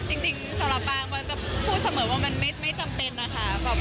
จริงสำหรับปางปอนจะพูดเสมอว่ามันไม่จำเป็นนะคะ